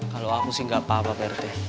kalau aku sih nggak apa apa pak rt